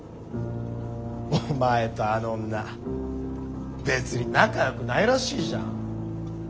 お前とあの女別に仲よくないらしいじゃん。